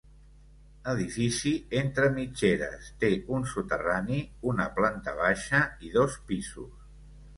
Edifici entre mitgeres, té un soterrani, una planta baixa i dos pisos.